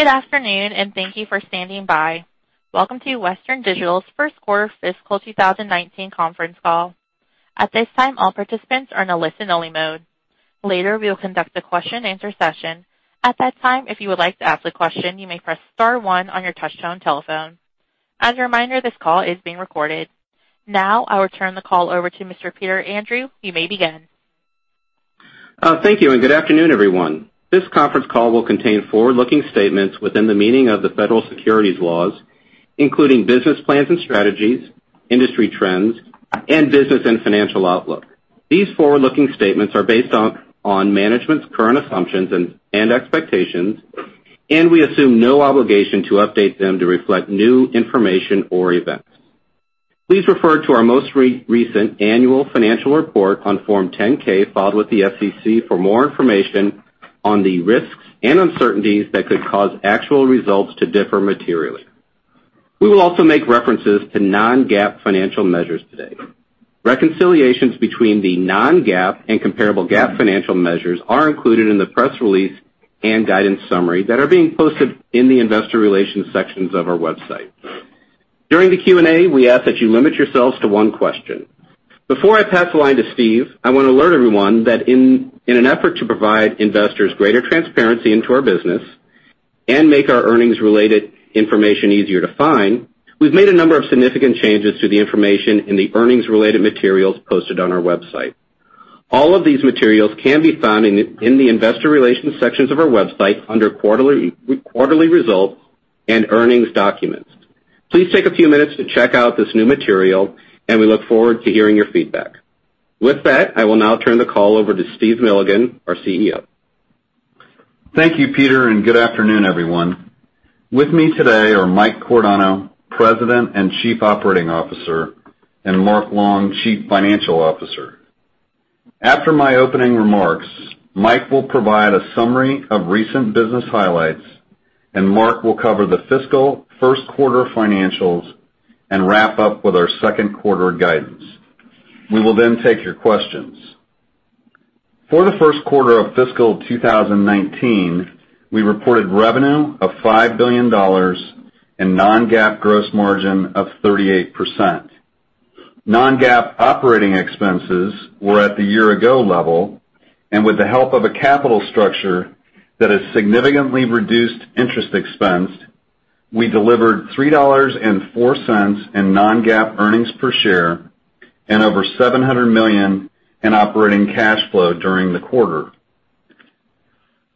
Good afternoon, and thank you for standing by. Welcome to Western Digital's first quarter fiscal 2019 conference call. At this time, all participants are in a listen-only mode. Later, we will conduct a question and answer session. At that time, if you would like to ask a question, you may press star one on your touch-tone telephone. As a reminder, this call is being recorded. Now I will turn the call over to Mr. Peter Andrew. You may begin. Thank you. Good afternoon, everyone. This conference call will contain forward-looking statements within the meaning of the federal securities laws, including business plans and strategies, industry trends, and business and financial outlook. These forward-looking statements are based on management's current assumptions and expectations, and we assume no obligation to update them to reflect new information or events. Please refer to our most recent annual financial report on Form 10-K filed with the SEC for more information on the risks and uncertainties that could cause actual results to differ materially. We will also make references to non-GAAP financial measures today. Reconciliations between the non-GAAP and comparable GAAP financial measures are included in the press release and guidance summary that are being posted in the investor relations sections of our website. During the Q&A, we ask that you limit yourselves to one question. Before I pass the line to Steve, I want to alert everyone that in an effort to provide investors greater transparency into our business and make our earnings-related information easier to find, we've made a number of significant changes to the information in the earnings-related materials posted on our website. All of these materials can be found in the investor relations sections of our website under quarterly results and earnings documents. Please take a few minutes to check out this new material. We look forward to hearing your feedback. With that, I will now turn the call over to Steve Milligan, our CEO. Thank you, Peter. Good afternoon, everyone. With me today are Mike Cordano, President and Chief Operating Officer, and Mark Long, Chief Financial Officer. After my opening remarks, Mike will provide a summary of recent business highlights. Mark will cover the fiscal first quarter financials and wrap up with our second quarter guidance. We will then take your questions. For the first quarter of fiscal 2019, we reported revenue of $5 billion and non-GAAP gross margin of 38%. Non-GAAP operating expenses were at the year-ago level. With the help of a capital structure that has significantly reduced interest expense, we delivered $3.04 in non-GAAP earnings per share and over $700 million in operating cash flow during the quarter.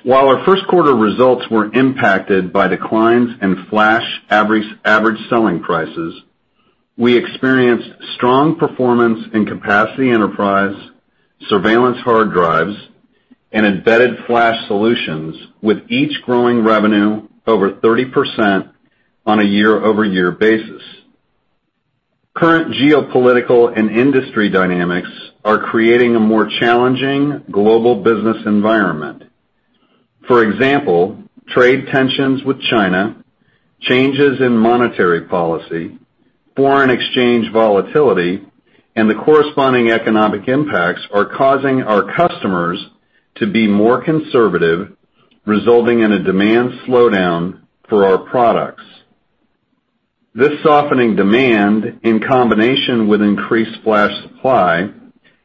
While our first quarter results were impacted by declines in flash average selling prices, we experienced strong performance in capacity enterprise, surveillance hard drives, and embedded flash solutions, with each growing revenue over 30% on a year-over-year basis. Current geopolitical and industry dynamics are creating a more challenging global business environment. For example, trade tensions with China, changes in monetary policy, foreign exchange volatility, and the corresponding economic impacts are causing our customers to be more conservative, resulting in a demand slowdown for our products. This softening demand, in combination with increased flash supply,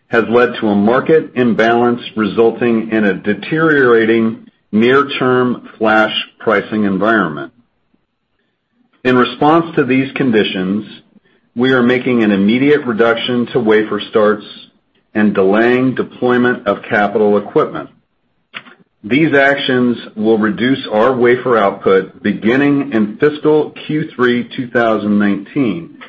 has led to a market imbalance resulting in a deteriorating near-term flash pricing environment. In response to these conditions, we are making an immediate reduction to wafer starts and delaying deployment of capital equipment. These actions will reduce our wafer output beginning in fiscal Q3 2019.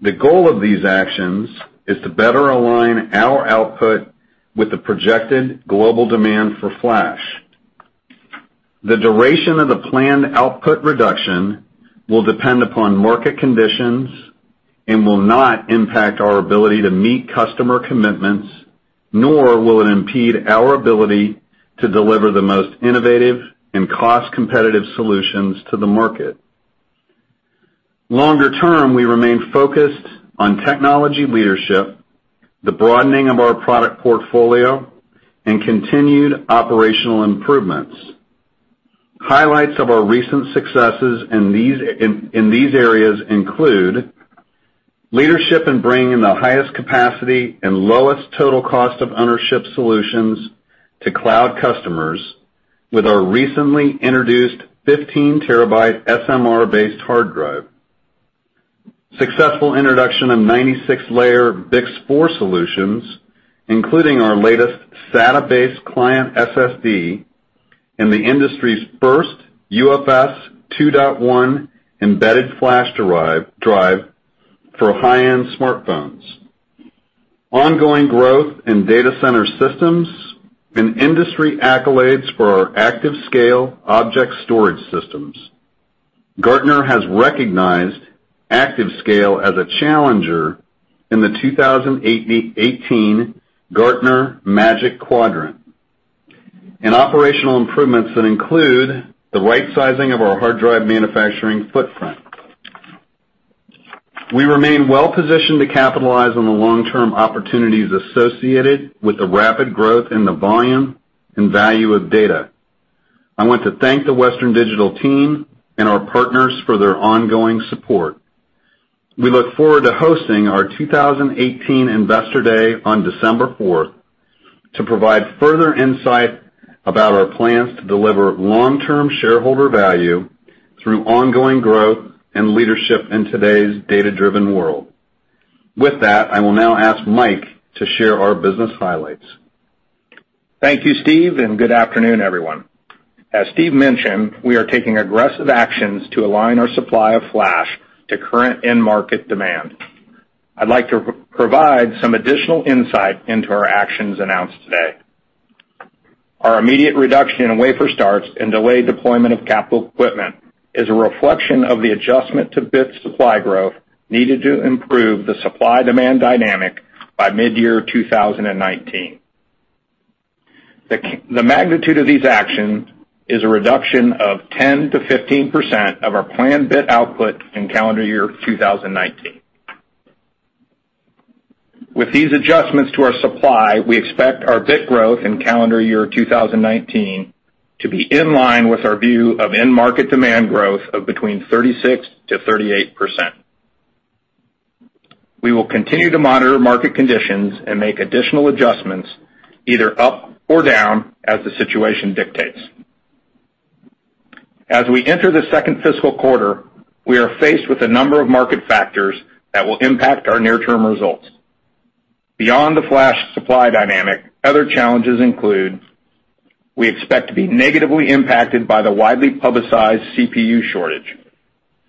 The goal of these actions is to better align our output with the projected global demand for flash. The duration of the planned output reduction will depend upon market conditions and will not impact our ability to meet customer commitments, nor will it impede our ability to deliver the most innovative and cost-competitive solutions to the market. Longer term, we remain focused on technology leadership, the broadening of our product portfolio, and continued operational improvements. Highlights of our recent successes in these areas include leadership in bringing the highest capacity and lowest total cost of ownership solutions to cloud customers with our recently introduced 15-terabyte SMR-based hard drive. Successful introduction of 96-layer BiCS4 solutions, including our latest SATA-based client SSD and the industry's first UFS2.1 embedded flash drive for high-end smartphones. Ongoing growth in data center systems and industry accolades for our ActiveScale object storage systems. Gartner has recognized ActiveScale as a challenger in the 2018 Gartner Magic Quadrant. Operational improvements that include the right sizing of our hard drive manufacturing footprint. We remain well-positioned to capitalize on the long-term opportunities associated with the rapid growth in the volume and value of data. I want to thank the Western Digital team and our partners for their ongoing support. We look forward to hosting our 2018 Investor Day on December 4th to provide further insight about our plans to deliver long-term shareholder value through ongoing growth and leadership in today's data-driven world. With that, I will now ask Mike to share our business highlights. Thank you, Steve, and good afternoon, everyone. As Steve mentioned, we are taking aggressive actions to align our supply of flash to current end market demand. I'd like to provide some additional insight into our actions announced today. Our immediate reduction in wafer starts and delayed deployment of capital equipment is a reflection of the adjustment to bit supply growth needed to improve the supply-demand dynamic by mid-year 2019. The magnitude of these actions is a reduction of 10%-15% of our planned bit output in calendar year 2019. With these adjustments to our supply, we expect our bit growth in calendar year 2019 to be in line with our view of end market demand growth of between 36%-38%. We will continue to monitor market conditions and make additional adjustments either up or down as the situation dictates. As we enter the second fiscal quarter, we are faced with a number of market factors that will impact our near-term results. Beyond the flash supply dynamic, other challenges include we expect to be negatively impacted by the widely publicized CPU shortage.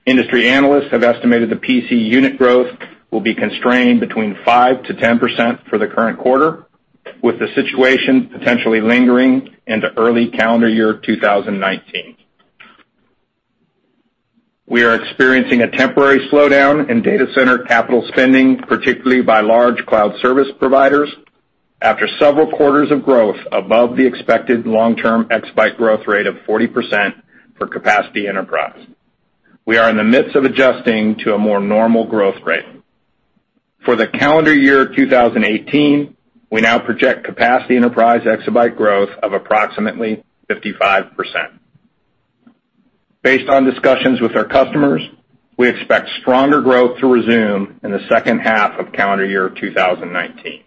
Industry analysts have estimated the PC unit growth will be constrained between 5%-10% for the current quarter, with the situation potentially lingering into early calendar year 2019. We are experiencing a temporary slowdown in data center capital spending, particularly by large cloud service providers after several quarters of growth above the expected long-term exabyte growth rate of 40% for capacity enterprise. We are in the midst of adjusting to a more normal growth rate. For the calendar year 2018, we now project capacity enterprise exabyte growth of approximately 55%. Based on discussions with our customers, we expect stronger growth to resume in the second half of calendar year 2019.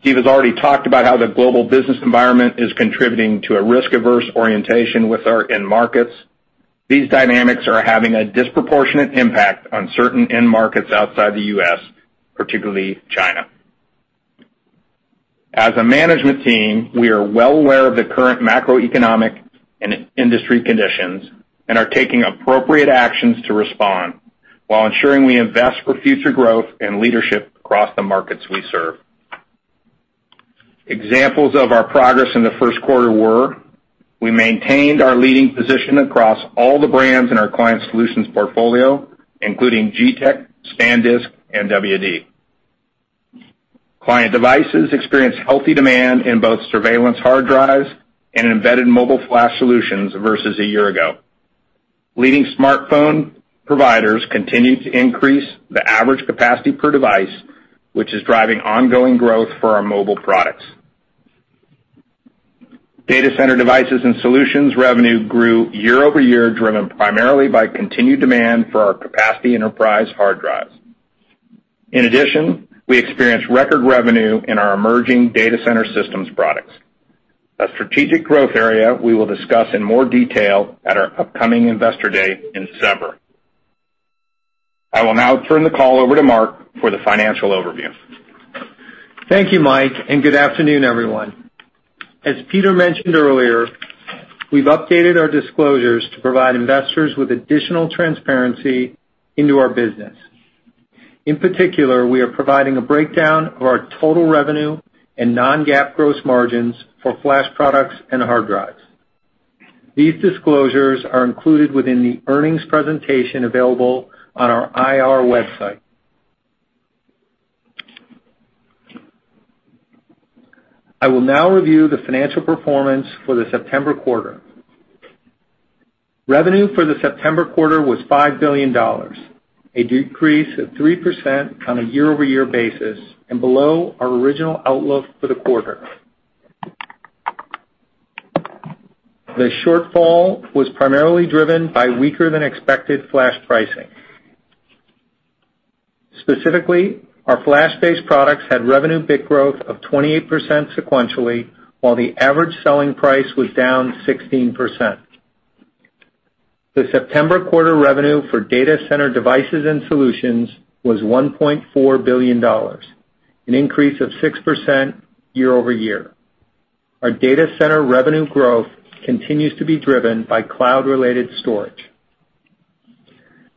Steve has already talked about how the global business environment is contributing to a risk-averse orientation with our end markets. These dynamics are having a disproportionate impact on certain end markets outside the U.S., particularly China. As a management team, we are well aware of the current macroeconomic and industry conditions and are taking appropriate actions to respond while ensuring we invest for future growth and leadership across the markets we serve. Examples of our progress in the first quarter were we maintained our leading position across all the brands in our client solutions portfolio, including G-Technology, SanDisk, and WD. Client devices experienced healthy demand in both surveillance hard drives and embedded mobile flash solutions versus a year ago. Leading smartphone providers continue to increase the average capacity per device, which is driving ongoing growth for our mobile products. Data center devices and solutions revenue grew year-over-year, driven primarily by continued demand for our capacity enterprise hard drives. In addition, we experienced record revenue in our emerging data center systems products, a strategic growth area we will discuss in more detail at our upcoming Investor Day in December. I will now turn the call over to Mark for the financial overview. Thank you, Mike, and good afternoon, everyone. As Peter mentioned earlier, we've updated our disclosures to provide investors with additional transparency into our business. In particular, we are providing a breakdown of our total revenue and non-GAAP gross margins for flash products and hard drives. These disclosures are included within the earnings presentation available on our IR website. I will now review the financial performance for the September quarter. Revenue for the September quarter was $5 billion, a decrease of 3% on a year-over-year basis and below our original outlook for the quarter. The shortfall was primarily driven by weaker-than-expected flash pricing. Specifically, our flash-based products had revenue bit growth of 28% sequentially, while the average selling price was down 16%. The September quarter revenue for data center devices and solutions was $1.4 billion, an increase of 6% year-over-year. Our data center revenue growth continues to be driven by cloud-related storage.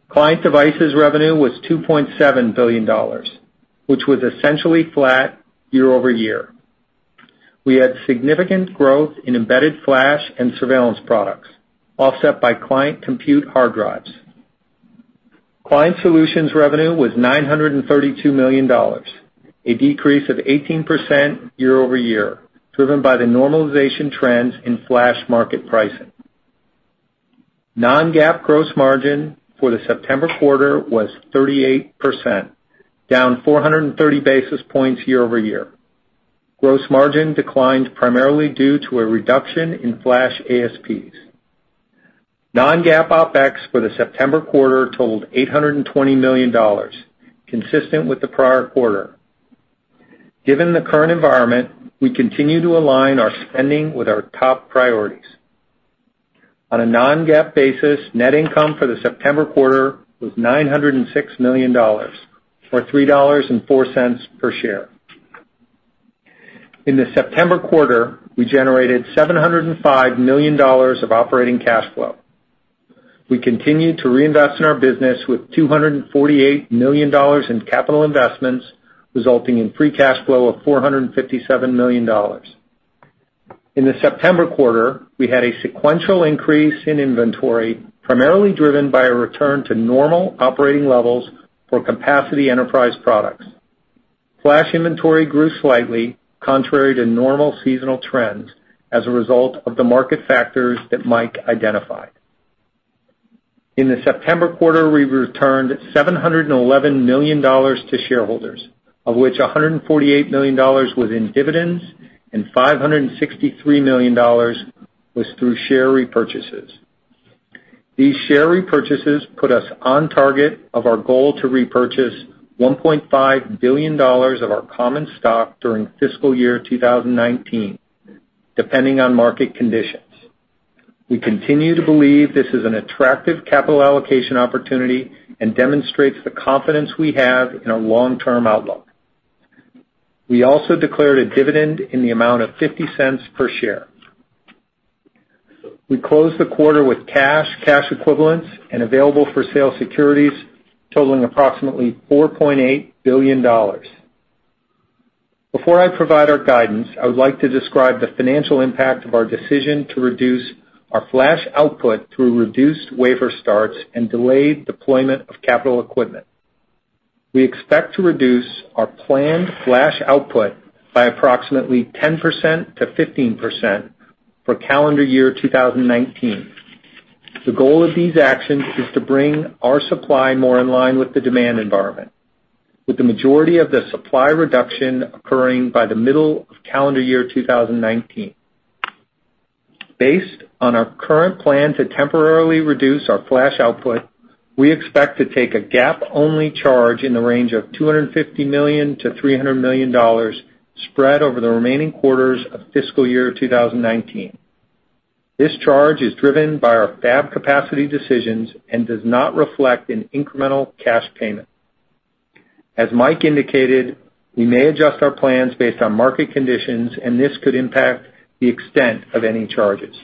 Client devices revenue was $2.7 billion, which was essentially flat year-over-year. We had significant growth in embedded flash and surveillance products, offset by client compute hard drives. Client solutions revenue was $932 million, a decrease of 18% year-over-year, driven by the normalization trends in flash market pricing. Non-GAAP gross margin for the September quarter was 38%, down 430 basis points year-over-year. Gross margin declined primarily due to a reduction in flash ASPs. Non-GAAP OpEx for the September quarter totaled $820 million, consistent with the prior quarter. Given the current environment, we continue to align our spending with our top priorities. On a non-GAAP basis, net income for the September quarter was $906 million, or $3.04 per share. In the September quarter, we generated $705 million of operating cash flow. We continue to reinvest in our business with $248 million in capital investments, resulting in free cash flow of $457 million. In the September quarter, we had a sequential increase in inventory, primarily driven by a return to normal operating levels for capacity enterprise products. Flash inventory grew slightly contrary to normal seasonal trends as a result of the market factors that Mike identified. In the September quarter, we returned $711 million to shareholders, of which $148 million was in dividends and $563 million was through share repurchases. These share repurchases put us on target of our goal to repurchase $1.5 billion of our common stock during fiscal year 2019, depending on market conditions. We continue to believe this is an attractive capital allocation opportunity and demonstrates the confidence we have in our long-term outlook. We also declared a dividend in the amount of $0.50 per share. We closed the quarter with cash equivalents, and available-for-sale securities totaling approximately $4.8 billion. Before I provide our guidance, I would like to describe the financial impact of our decision to reduce our flash output through reduced wafer starts and delayed deployment of capital equipment. We expect to reduce our planned flash output by approximately 10%-15% for calendar year 2019. The goal of these actions is to bring our supply more in line with the demand environment, with the majority of the supply reduction occurring by the middle of calendar year 2019. Based on our current plan to temporarily reduce our flash output, we expect to take a GAAP-only charge in the range of $250 million-$300 million spread over the remaining quarters of fiscal year 2019. This charge is driven by our fab capacity decisions and does not reflect an incremental cash payment. As Mike indicated, we may adjust our plans based on market conditions, and this could impact the extent of any charges.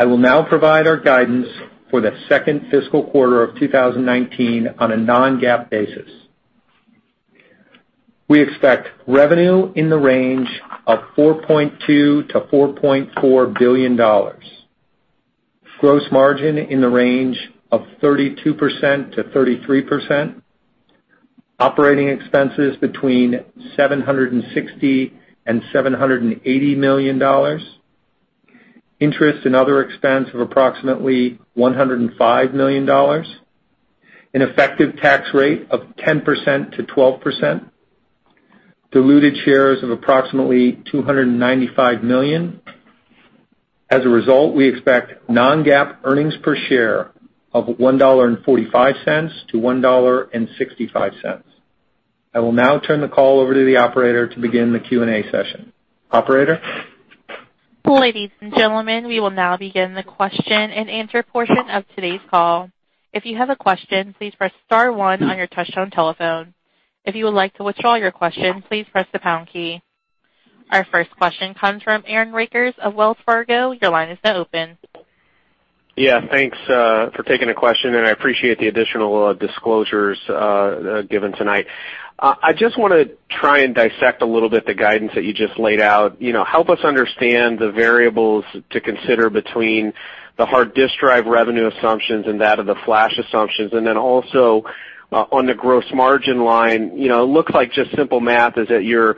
I will now provide our guidance for the second fiscal quarter of 2019 on a non-GAAP basis. We expect revenue in the range of $4.2 billion-$4.4 billion, gross margin in the range of 32%-33%, operating expenses between $760 million and $780 million, interest and other expense of approximately $105 million, an effective tax rate of 10%-12%, diluted shares of approximately 295 million. As a result, we expect non-GAAP earnings per share of $1.45-$1.65. I will now turn the call over to the operator to begin the Q&A session. Operator? Ladies and gentlemen, we will now begin the question and answer portion of today's call. If you have a question, please press star one on your touchtone telephone. If you would like to withdraw your question, please press the pound key. Our first question comes from Aaron Rakers of Wells Fargo. Your line is now open. Yeah, thanks for taking the question. I appreciate the additional disclosures given tonight. I just want to try and dissect a little bit the guidance that you just laid out. Help us understand the variables to consider between the hard disk drive revenue assumptions and that of the flash assumptions. Also on the gross margin line, it looks like just simple math is that you're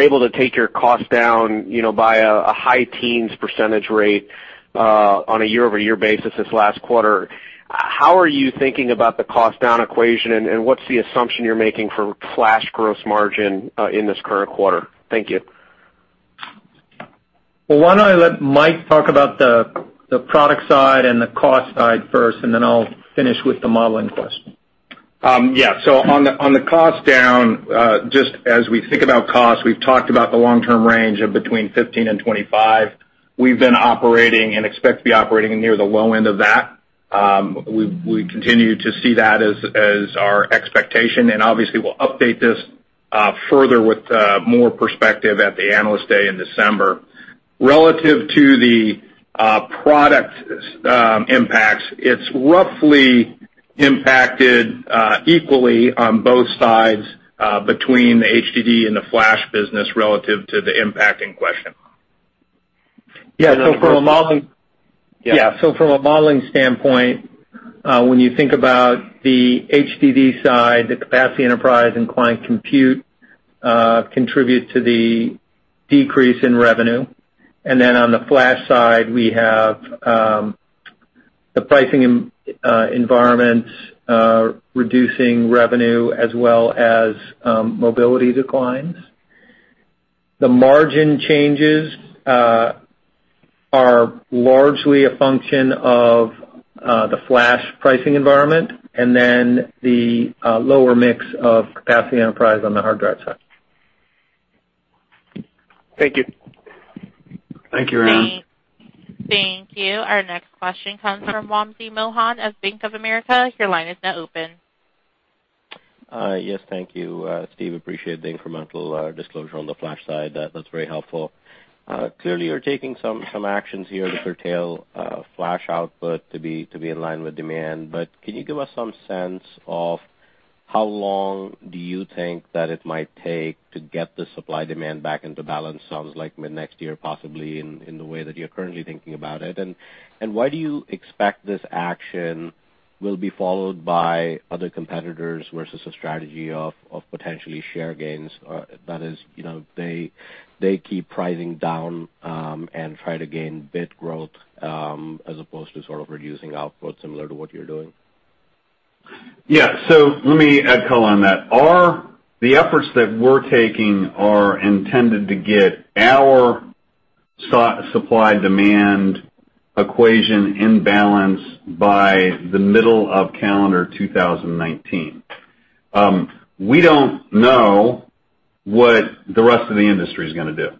able to take your cost-down by a high teens percentage rate on a year-over-year basis this last quarter. How are you thinking about the cost-down equation, and what's the assumption you're making for flash gross margin in this current quarter? Thank you. Well, why don't I let Mike talk about the product side and the cost side first. I'll finish with the modeling question. Yeah. On the cost-down, just as we think about cost, we've talked about the long-term range of between 15 and 25. We've been operating and expect to be operating near the low end of that. We continue to see that as our expectation. Obviously, we'll update this further with more perspective at the Analyst Day in December. Relative to the product impacts, it's roughly impacted equally on both sides between the HDD and the flash business relative to the impact in question. From a modeling standpoint, when you think about the HDD side, the capacity enterprise and client compute contribute to the decrease in revenue. On the flash side, we have the pricing environment reducing revenue as well as mobility declines. The margin changes are largely a function of the flash pricing environment, and then the lower mix of capacity enterprise on the hard drive side. Thank you. Thank you, Aaron. Thank you. Our next question comes from Wamsi Mohan of Bank of America. Your line is now open. Yes, thank you. Steve, appreciate the incremental disclosure on the flash side. That's very helpful. Clearly, you're taking some actions here to curtail flash output to be in line with demand. Can you give us some sense of how long do you think that it might take to get the supply demand back into balance? Sounds like mid-next year, possibly, in the way that you're currently thinking about it. Why do you expect this action will be followed by other competitors versus a strategy of potentially share gains? That is, they keep pricing down, and try to gain bit growth, as opposed to sort of reducing output similar to what you're doing. Yeah. Let me add color on that. The efforts that we're taking are intended to get our supply-demand equation in balance by the middle of calendar 2019. We don't know what the rest of the industry's going to do.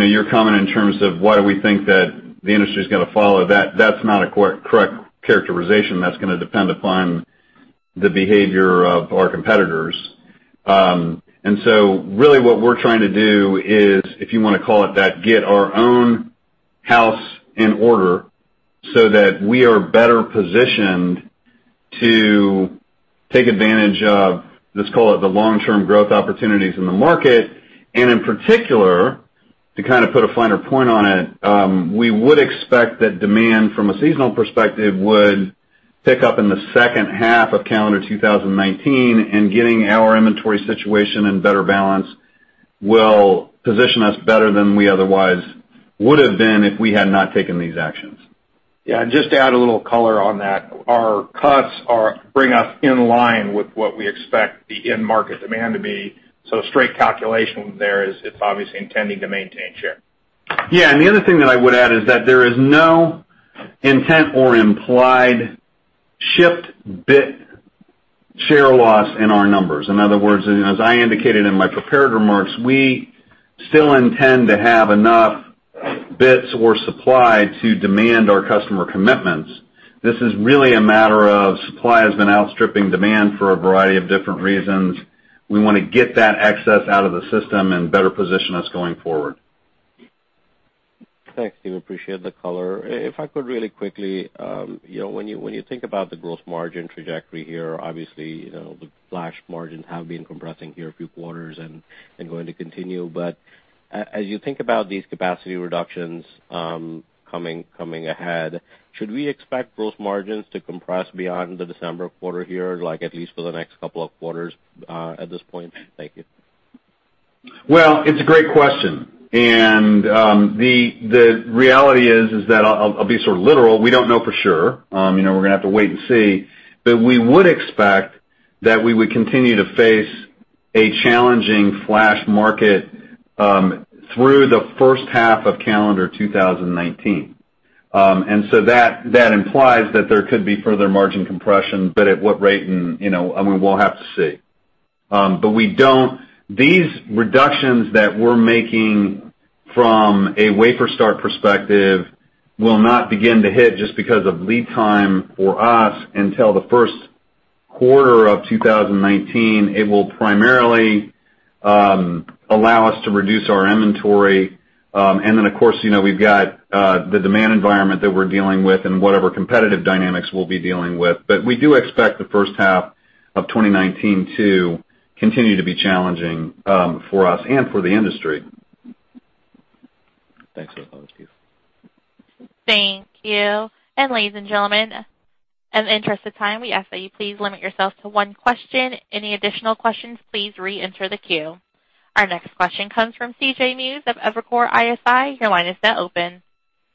Your comment in terms of why we think that the industry's going to follow, that's not a correct characterization. That's going to depend upon the behavior of our competitors. Really what we're trying to do is, if you want to call it that, get our own house in order so that we are better positioned to take advantage of, let's call it, the long-term growth opportunities in the market. In particular, to kind of put a finer point on it, we would expect that demand from a seasonal perspective would pick up in the second half of calendar 2019, and getting our inventory situation in better balance will position us better than we otherwise would have been if we had not taken these actions. Yeah, just to add a little color on that, our cuts bring us in line with what we expect the end market demand to be. Straight calculation there is it's obviously intending to maintain share. Yeah, the other thing that I would add is that there is no intent or implied shift bit share loss in our numbers. In other words, as I indicated in my prepared remarks, we still intend to have enough bits or supply to demand our customer commitments. This is really a matter of supply has been outstripping demand for a variety of different reasons. We want to get that excess out of the system and better position us going forward. Thanks, Steve, appreciate the color. If I could really quickly, when you think about the gross margin trajectory here, obviously, the flash margins have been compressing here a few quarters and going to continue. As you think about these capacity reductions coming ahead, should we expect gross margins to compress beyond the December quarter here, like at least for the next couple of quarters at this point? Thank you. Well, it's a great question, the reality is that, I'll be sort of literal, we don't know for sure. We're going to have to wait and see. We would expect that we would continue to face a challenging flash market through the first half of calendar 2019. That implies that there could be further margin compression, but at what rate? We'll have to see. These reductions that we're making from a wafer start perspective will not begin to hit just because of lead time for us until the first quarter of 2019. It will primarily allow us to reduce our inventory. Of course, we've got the demand environment that we're dealing with and whatever competitive dynamics we'll be dealing with. We do expect the first half of 2019 to continue to be challenging for us and for the industry. Thanks for the color, Steve. Thank you. Ladies and gentlemen, in the interest of time, we ask that you please limit yourself to one question. Any additional questions, please reenter the queue. Our next question comes from C.J. Muse of Evercore ISI. Your line is now open.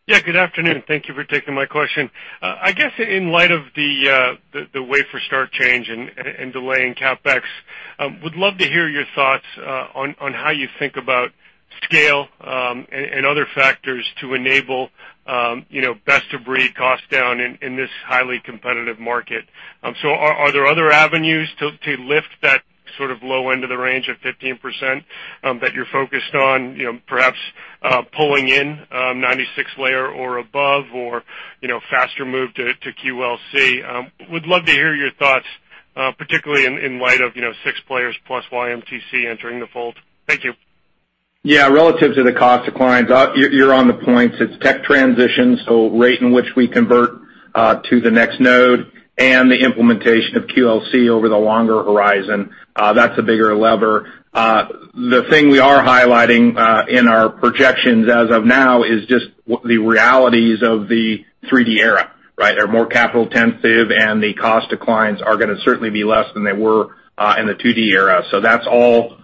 Yeah, good afternoon. Thank you for taking my question. I guess in light of the wafer start change and delay in CapEx, would love to hear your thoughts on how you think about scale and other factors to enable best of breed cost down in this highly competitive market. Are there other avenues to lift that sort of low end of the range of 15% that you're focused on perhaps pulling in 96-layer or above or faster move to QLC? Would love to hear your thoughts, particularly in light of six players plus YMTC entering the fold. Thank you. Yeah. Relative to the cost declines, you're on the points. It's tech transition, so rate in which we convert To the next node and the implementation of QLC over the longer horizon. That's a bigger lever. The thing we are highlighting in our projections as of now is just the realities of the 3D era. They're more capital intensive, and the cost declines are going to certainly be less than they were in the 2D era. That's all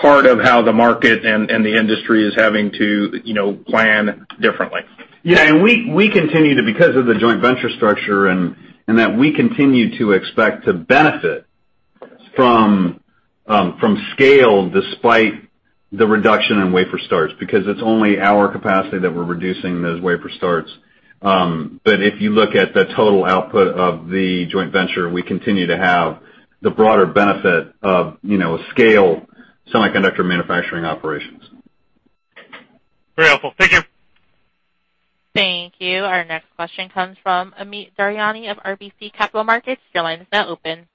part of how the market and the industry is having to plan differently. We continue to, because of the joint venture structure, and that we continue to expect to benefit from scale despite the reduction in wafer starts, because it's only our capacity that we're reducing those wafer starts. If you look at the total output of the joint venture, we continue to have the broader benefit of scale semiconductor manufacturing operations. Very helpful. Thank you. Thank you. Our next question comes from Amit Daryanani of RBC Capital Markets. Your line is now open.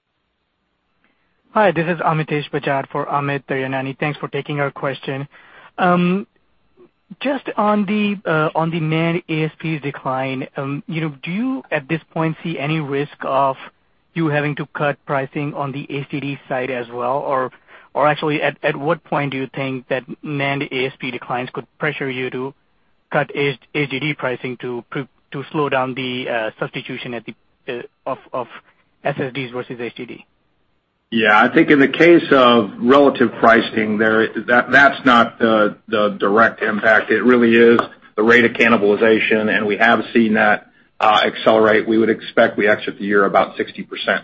Hi, this is Amitesh Bajad for Amit Daryanani. Thanks for taking our question. Just on the NAND ASP decline, do you, at this point, see any risk of you having to cut pricing on the HDD side as well? Actually, at what point do you think that NAND ASP declines could pressure you to cut HDD pricing to slow down the substitution of SSDs versus HDD? Yeah. I think in the case of relative pricing there, that's not the direct impact. It really is the rate of cannibalization, and we have seen that accelerate. We would expect we exit the year about 60%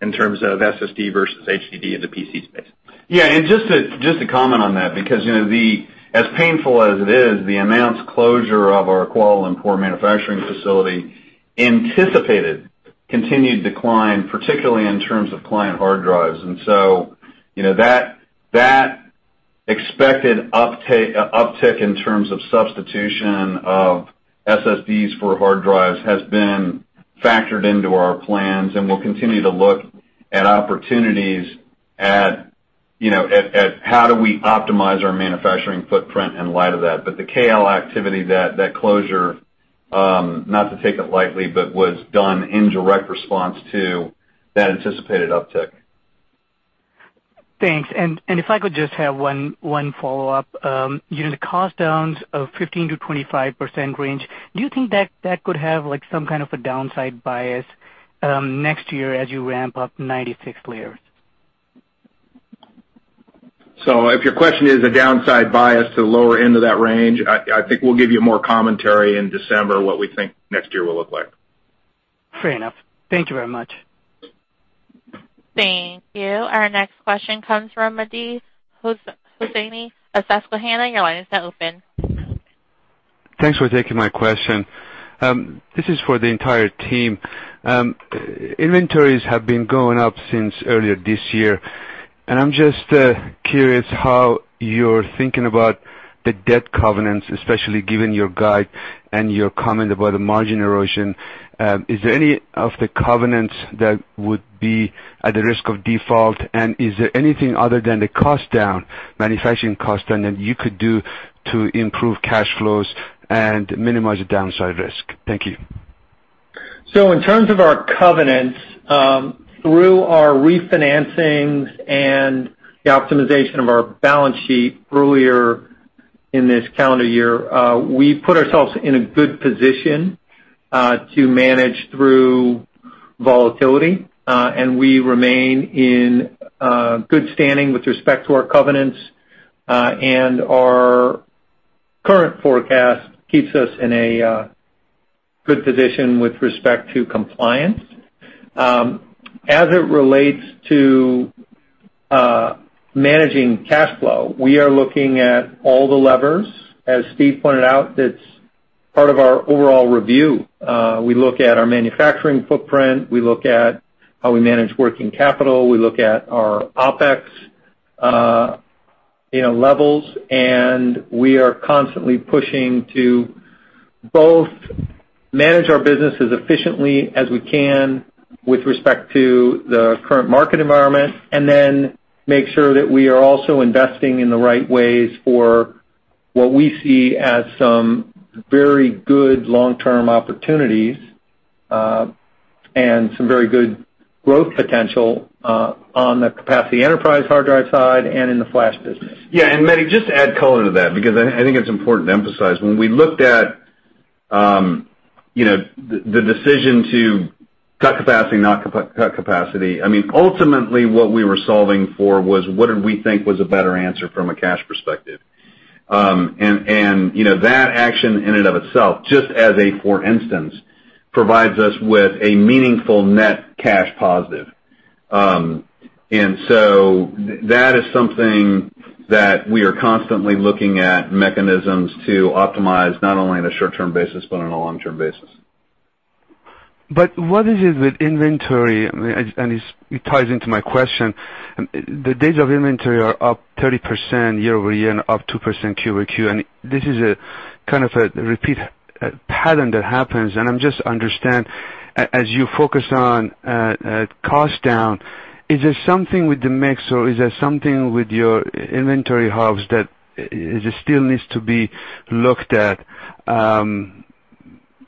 in terms of SSD versus HDD in the PC space. Yeah. Just to comment on that, because as painful as it is, the announced closure of our Kuala Lumpur manufacturing facility anticipated continued decline, particularly in terms of client hard drives. So that expected uptick in terms of substitution of SSDs for hard drives has been factored into our plans, and we'll continue to look at opportunities at how do we optimize our manufacturing footprint in light of that. The KL activity, that closure, not to take it lightly, but was done in direct response to that anticipated uptick. Thanks. If I could just have one follow-up. The cost downs of 15%-25% range, do you think that could have some kind of a downside bias next year as you ramp up 96 layers? If your question is a downside bias to the lower end of that range, I think we'll give you more commentary in December, what we think next year will look like. Fair enough. Thank you very much. Thank you. Our next question comes from Mehdi Hosseini of Susquehanna. Your line is now open. Thanks for taking my question. This is for the entire team. Inventories have been going up since earlier this year, I'm just curious how you're thinking about the debt covenants, especially given your guide and your comment about the margin erosion. Is there any of the covenants that would be at a risk of default? Is there anything other than the cost down, manufacturing cost down, that you could do to improve cash flows and minimize the downside risk? Thank you. In terms of our covenants, through our refinancings and the optimization of our balance sheet earlier in this calendar year, we put ourselves in a good position to manage through volatility. We remain in good standing with respect to our covenants. Our current forecast keeps us in a good position with respect to compliance. As it relates to managing cash flow, we are looking at all the levers. As Steve pointed out, it's part of our overall review. We look at our manufacturing footprint, we look at how we manage working capital, we look at our OpEx levels. We are constantly pushing to both manage our business as efficiently as we can with respect to the current market environment, then make sure that we are also investing in the right ways for what we see as some very good long-term opportunities, and some very good growth potential on the capacity enterprise hard drive side and in the flash business. Yeah. Mehdi, just to add color to that, because I think it's important to emphasize. When we looked at the decision to cut capacity, not cut capacity, ultimately, what we were solving for was what did we think was a better answer from a cash perspective. That action in and of itself, just as a for instance, provides us with a meaningful net cash positive. So that is something that we are constantly looking at mechanisms to optimize not only on a short-term basis, but on a long-term basis. What is it with inventory? It ties into my question. The days of inventory are up 30% year-over-year and up 2% Q-over-Q, this is a kind of a repeat pattern that happens, I'm just understand, as you focus on cost down, is there something with the mix or is there something with your inventory hubs that still needs to be looked at?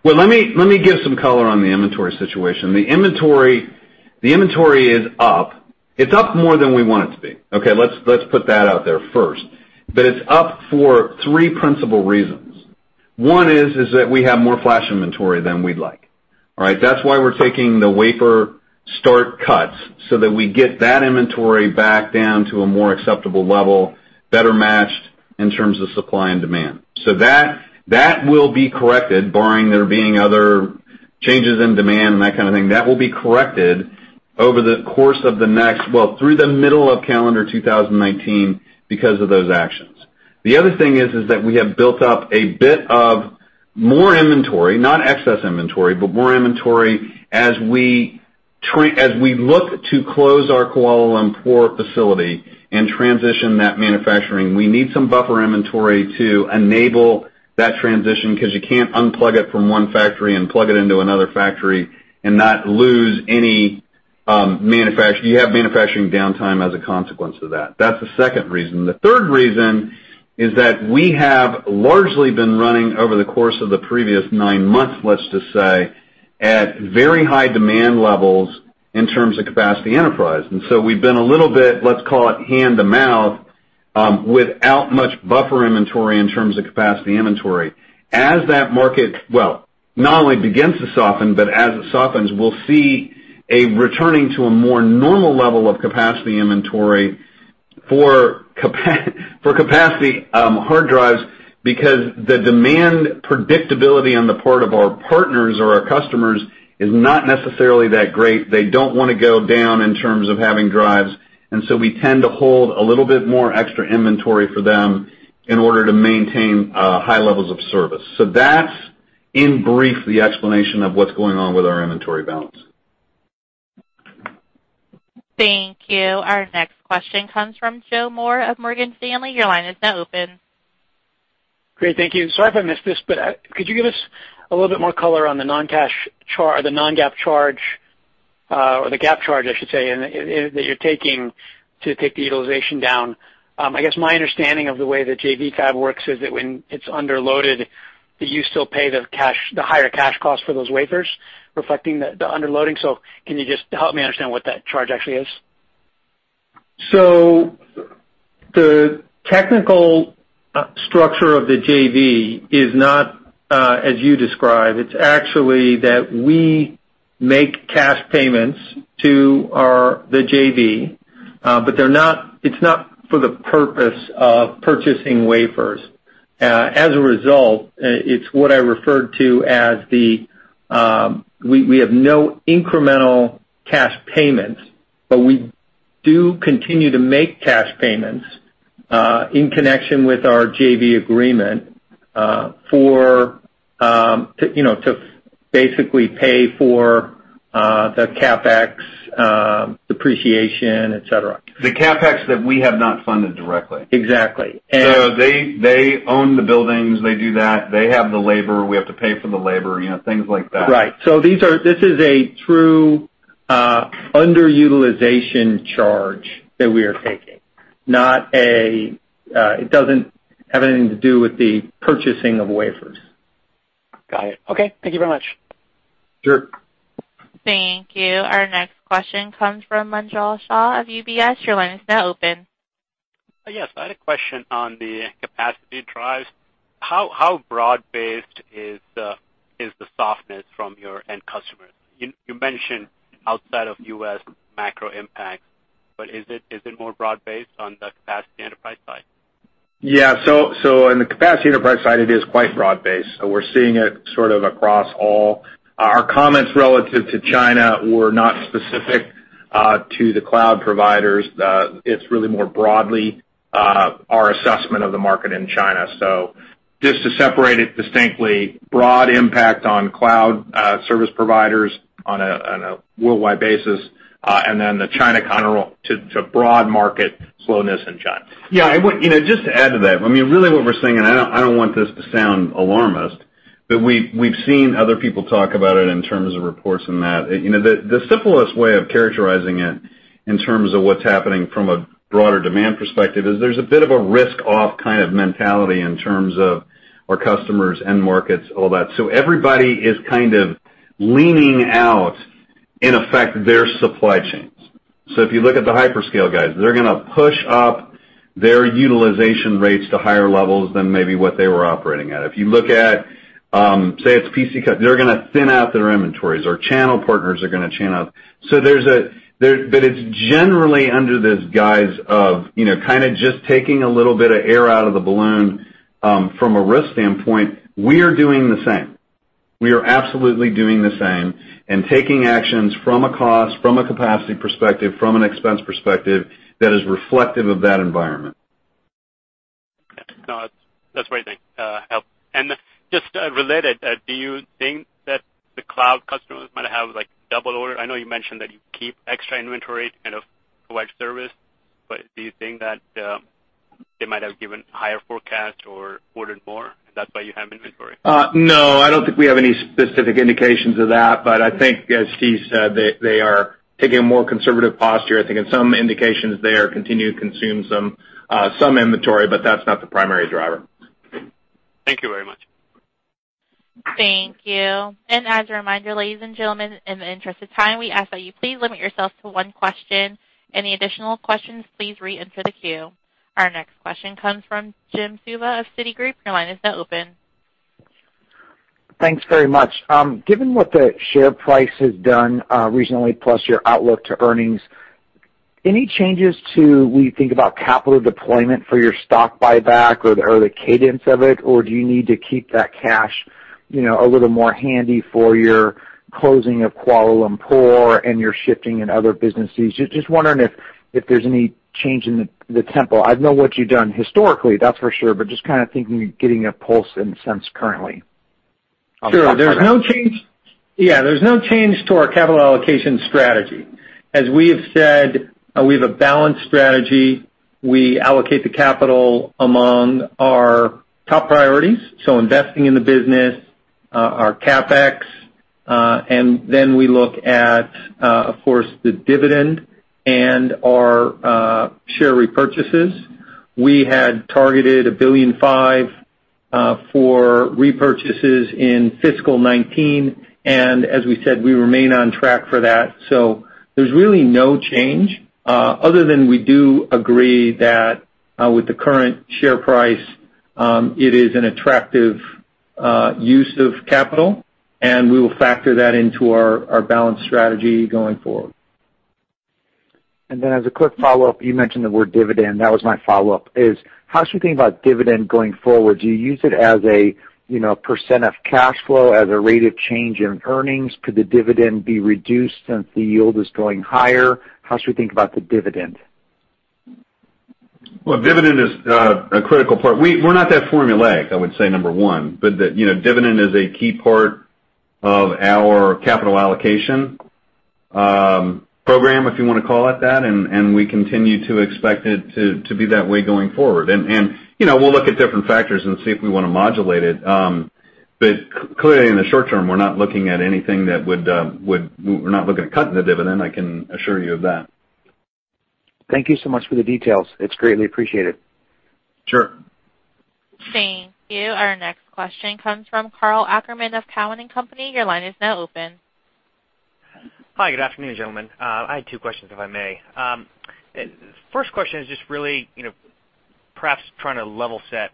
Well, let me give some color on the inventory situation. The inventory is up. It's up more than we want it to be. Okay, let's put that out there first. It's up for three principal reasons. One is that we have more flash inventory than we'd like. All right? That's why we're taking the wafer start cuts so that we get that inventory back down to a more acceptable level, better matched in terms of supply and demand. That will be corrected barring there being other changes in demand and that kind of thing. That will be corrected well, through the middle of calendar 2019 because of those actions. The other thing is that we have built up a bit of more inventory, not excess inventory, but more inventory as we look to close our Kuala Lumpur facility and transition that manufacturing. We need some buffer inventory to enable that transition because you can't unplug it from one factory and plug it into another factory and not lose any manufacturing. You have manufacturing downtime as a consequence of that. That's the second reason. The third reason is that we have largely been running over the course of the previous nine months, let's just say, at very high demand levels in terms of capacity enterprise. We've been a little bit, let's call it hand-to-mouth, without much buffer inventory in terms of capacity inventory. As that market, well, not only begins to soften, but as it softens, we'll see a returning to a more normal level of capacity inventory for capacity hard drives because the demand predictability on the part of our partners or our customers is not necessarily that great. They don't want to go down in terms of having drives, we tend to hold a little bit more extra inventory for them in order to maintain high levels of service. That's, in brief, the explanation of what's going on with our inventory balance. Thank you. Our next question comes from Joseph Moore of Morgan Stanley. Your line is now open. Great. Thank you. Sorry if I missed this, but could you give us a little bit more color on the non-GAAP charge, that you're taking to take the utilization down? I guess my understanding of the way the JV fab works is that when it's underloaded, that you still pay the higher cash cost for those wafers reflecting the underloading. Can you just help me understand what that charge actually is? The technical structure of the JV is not as you describe. It's actually that we make cash payments to the JV. It's not for the purpose of purchasing wafers. As a result, it's what I referred to as we have no incremental cash payments, but we do continue to make cash payments, in connection with our JV agreement, to basically pay for the CapEx, depreciation, et cetera. The CapEx that we have not funded directly. Exactly. They own the buildings. They do that. They have the labor. We have to pay for the labor, things like that. Right. This is a true underutilization charge that we are taking, it doesn't have anything to do with the purchasing of wafers. Got it. Okay. Thank you very much. Sure. Thank you. Our next question comes from Munjal Shah of UBS. Your line is now open. I had a question on the capacity drives. How broad-based is the softness from your end customers? You mentioned outside of U.S. macro impact, is it more broad based on the capacity enterprise side? Yeah. In the capacity enterprise side, it is quite broad based. We're seeing it sort of across all. Our comments relative to China were not specific to the cloud providers. It's really more broadly our assessment of the market in China. Just to separate it distinctly, broad impact on cloud service providers on a worldwide basis, and then the China counter to broad market slowness in China. Yeah. Just to add to that, really what we're seeing, and I don't want this to sound alarmist, but we've seen other people talk about it in terms of reports and that. The simplest way of characterizing it in terms of what's happening from a broader demand perspective is there's a bit of a risk-off kind of mentality in terms of our customers, end markets, all that. Everybody is kind of leaning out in effect their supply chains. If you look at the hyperscale guys, they're going to push up their utilization rates to higher levels than maybe what they were operating at. If you look at, say, it's PC, they're going to thin out their inventories. Our channel partners are going to thin out. It's generally under this guise of kind of just taking a little bit of air out of the balloon. From a risk standpoint, we are doing the same. We are absolutely doing the same and taking actions from a cost, from a capacity perspective, from an expense perspective that is reflective of that environment. No, that's great. Thanks. Helps. Just related, do you think that the cloud customers might have double ordered? I know you mentioned that you keep extra inventory to kind of provide service, do you think that they might have given higher forecast or ordered more, and that's why you have inventory? No, I don't think we have any specific indications of that. I think as Steve said, they are taking a more conservative posture. I think in some indications there continue to consume some inventory, that's not the primary driver. Thank you very much. Thank you. As a reminder, ladies and gentlemen, in the interest of time, we ask that you please limit yourselves to one question. Any additional questions, please re-enter the queue. Our next question comes from Jim Suva of Citigroup. Your line is now open. Thanks very much. Given what the share price has done recently, plus your outlook to earnings, any changes to when you think about capital deployment for your stock buyback or the cadence of it? Or do you need to keep that cash a little more handy for your closing of Kuala Lumpur and your shifting in other businesses? Just wondering if there's any change in the tempo. I know what you've done historically, that's for sure. Just kind of thinking of getting a pulse and sense currently. Sure. There's no change to our capital allocation strategy. As we have said, we have a balanced strategy. We allocate the capital among our top priorities, so investing in the business, our CapEx, then we look at, of course, the dividend and our share repurchases. We had targeted $1.5 billion for repurchases in fiscal 2019, and as we said, we remain on track for that. There's really no change other than we do agree that with the current share price, it is an attractive use of capital, and we will factor that into our balanced strategy going forward. As a quick follow-up, you mentioned the word dividend. That was my follow-up, is how should we think about dividend going forward? Do you use it as a % of cash flow, as a rate of change in earnings? Could the dividend be reduced since the yield is going higher? How should we think about the dividend? Well, dividend is a critical part. We're not that formulaic, I would say, number one, the dividend is a key part of our capital allocation program, if you want to call it that, and we continue to expect it to be that way going forward. We'll look at different factors and see if we want to modulate it. Clearly, in the short term, we're not looking at cutting the dividend, I can assure you of that. Thank you so much for the details. It's greatly appreciated. Sure. Thank you. Our next question comes from Karl Ackerman of Cowen and Company. Your line is now open. Hi. Good afternoon, gentlemen. I had two questions, if I may. First question is just really perhaps trying to level set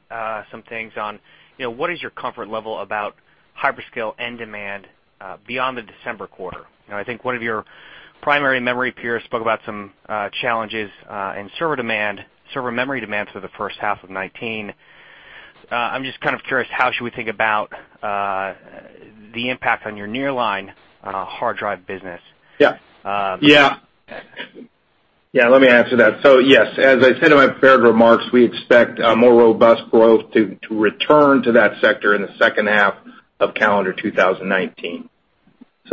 some things on what is your comfort level about hyperscale end demand beyond the December quarter? I think one of your primary memory peers spoke about some challenges in server memory demand for the first half of 2019. I'm just kind of curious, how should we think about the impact on your Nearline hard drive business? Yeah. Let me answer that. Yes, as I said in my prepared remarks, we expect more robust growth to return to that sector in the second half of calendar 2019.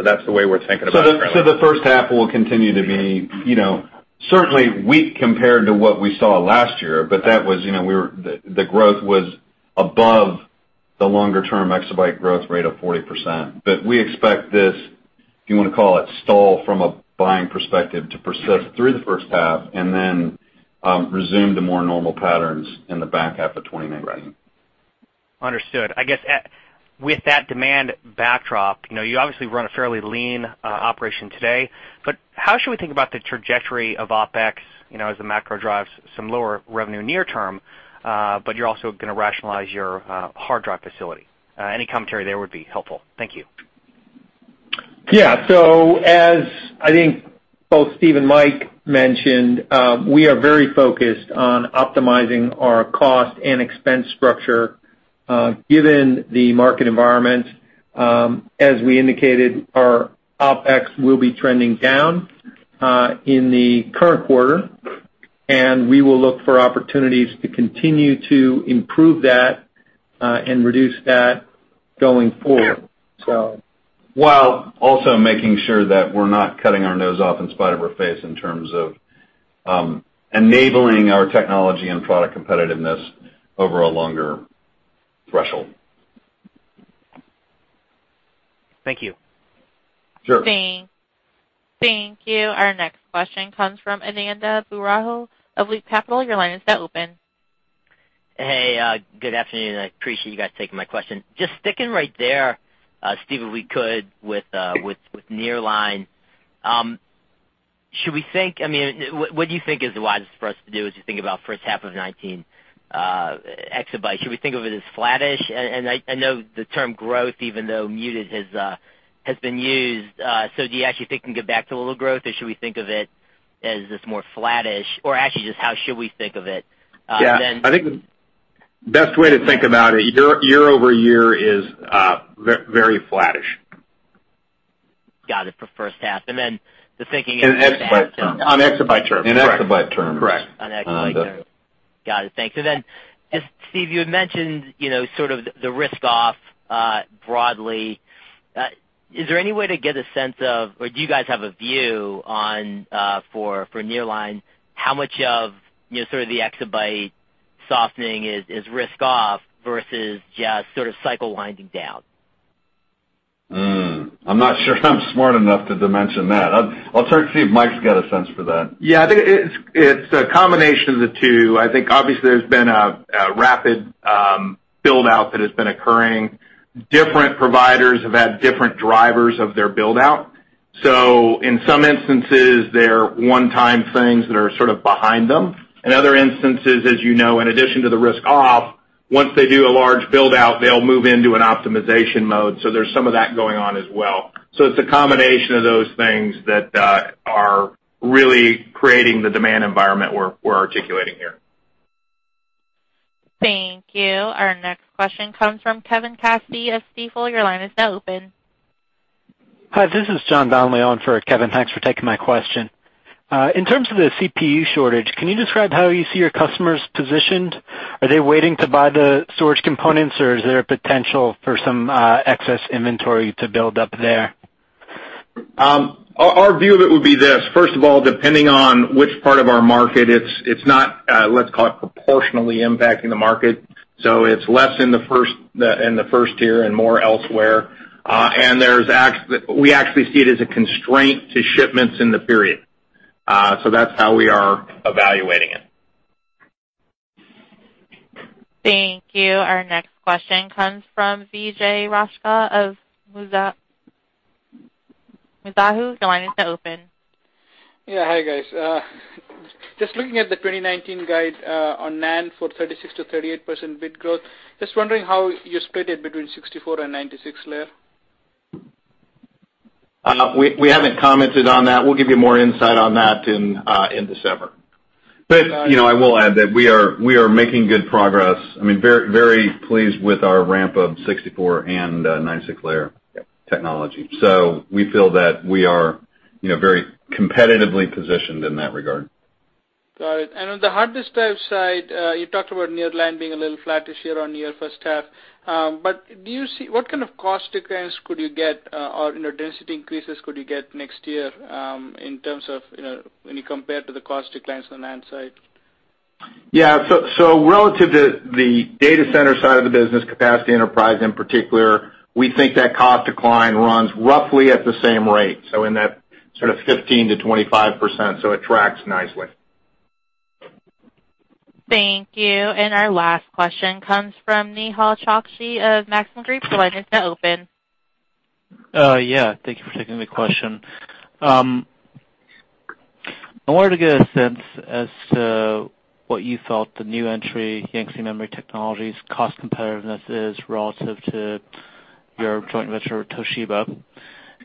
That's the way we're thinking about it right now. The first half will continue to be certainly weak compared to what we saw last year, but the growth was above the longer-term exabyte growth rate of 40%. We expect this, if you want to call it, stall from a buying perspective to persist through the first half and then resume the more normal patterns in the back half of 2019. Right. Understood. I guess with that demand backdrop, you obviously run a fairly lean operation today, but how should we think about the trajectory of OpEx as the macro drives some lower revenue near term, but you're also going to rationalize your hard drive facility? Any commentary there would be helpful. Thank you. As I think both Steve and Mike mentioned, we are very focused on optimizing our cost and expense structure given the market environment. As we indicated, our OpEx will be trending down in the current quarter, and we will look for opportunities to continue to improve that and reduce that going forward. While also making sure that we're not cutting our nose off in spite of our face in terms of enabling our technology and product competitiveness over a longer threshold. Thank you. Sure. Thank you. Our next question comes from Ananda Baruah of Loop Capital. Your line is now open. Hey, good afternoon. I appreciate you guys taking my question. Just sticking right there, Steve, if we could, with Nearline. What do you think is the wisest for us to do as we think about first half of 2019 exabytes? Should we think of it as flattish? I know the term growth, even though muted, has been used, do you actually think it can get back to a little growth, or should we think of it as this more flattish, or actually just how should we think of it? Yeah. I think the best way to think about it, year-over-year is very flattish. Got it, for first half. Then the thinking is- In exabyte terms. On exabyte terms. In exabyte terms. Correct. On exabyte terms. Got it. Thanks. Then Steve, you had mentioned sort of the risk off broadly. Is there any way to get a sense of, or do you guys have a view for Nearline, how much of sort of the exabyte softening is risk off versus just sort of cycle winding down? I'm not sure I'm smart enough to dimension that. I'll start to see if Mike's got a sense for that. Yeah, I think it's a combination of the two. I think obviously there's been a rapid build-out that has been occurring. Different providers have had different drivers of their build-out. In some instances, they're one-time things that are sort of behind them. In other instances, as you know, in addition to the risk-off, once they do a large build-out, they'll move into an optimization mode, there's some of that going on as well. It's a combination of those things that are really creating the demand environment we're articulating here. Thank you. Our next question comes from Kevin Cassidy of Stifel. Your line is now open. Hi, this is John Donnelly on for Kevin. Thanks for taking my question. In terms of the CPU shortage, can you describe how you see your customers positioned? Are they waiting to buy the storage components, or is there a potential for some excess inventory to build up there? Our view of it would be this. First of all, depending on which part of our market, it's not, let's call it, proportionally impacting the market. It's less in the first tier and more elsewhere. We actually see it as a constraint to shipments in the period. That's how we are evaluating it. Thank you. Our next question comes from Vijay Rakesh of Mizuho. Your line is now open. Yeah. Hi, guys. Just looking at the 2019 guide, on NAND for 36%-38% bit growth, just wondering how you split it between 64 and 96 layer. We haven't commented on that. We'll give you more insight on that in December. I will add that we are making good progress. Very pleased with our ramp of 64 and 96 layer technology. We feel that we are very competitively positioned in that regard. Got it. On the hard disk drive side, you talked about Nearline being a little flat this year on your first half. What kind of cost declines could you get or density increases could you get next year when you compare to the cost declines on the NAND side? Yeah. Relative to the data center side of the business capacity enterprise in particular, we think that cost decline runs roughly at the same rate, in that sort of 15%-25%, so it tracks nicely. Thank you. Our last question comes from Nehal Chokshi of Maxim Group. Your line is now open. Yeah. Thank you for taking the question. I wanted to get a sense as to what you felt the new entry, Yangtze Memory Technologies' cost competitiveness is relative to your joint venture with Toshiba,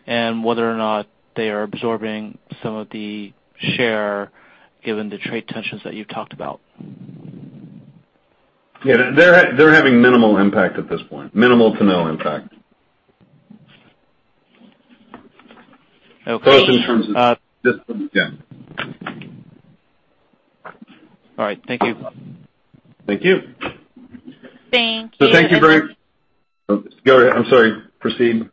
and whether or not they are absorbing some of the share given the trade tensions that you talked about. Yeah, they're having minimal impact at this point. Minimal to no impact. Okay. Both in terms of systems, yeah. All right. Thank you. Thank you. Thank you. Thank you very Oh, go ahead, I'm sorry. Proceed.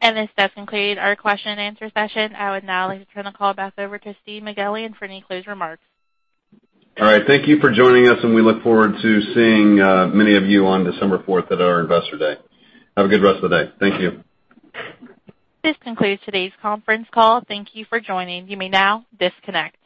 This does conclude our question and answer session. I would now like to turn the call back over to Steve Milligan for any closing remarks. All right. Thank you for joining us, and we look forward to seeing many of you on December 4th at our Investor Day. Have a good rest of the day. Thank you. This concludes today's conference call. Thank you for joining. You may now disconnect.